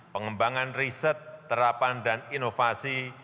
pengembangan riset terapan dan inovasi